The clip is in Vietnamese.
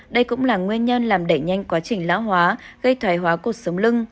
đây cũng là nguyên nhân làm đẩy nhanh quá trình lão hóa gây thoài hóa cột sống lưng